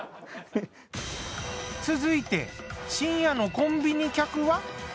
続いて深夜のコンビニ客は？